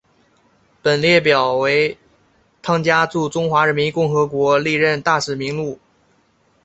本列表为汤加驻中华人民共和国历任大使名录。